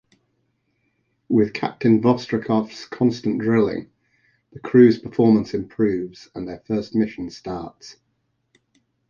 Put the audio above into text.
With Captain Vostrikov's constant drilling, the crew's performance improves and their first mission starts.